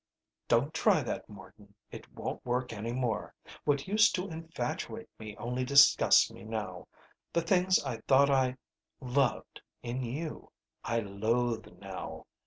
"Don't try that, Morton. It won't work any more. What used to infatuate me only disgusts me now. The things I thought I loved in you, I loathe now.